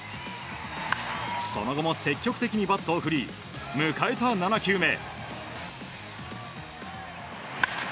その後も積極的にバットを振り迎えた７球目。